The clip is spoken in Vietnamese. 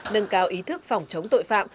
nâng cao ý thức phòng chống tội phạm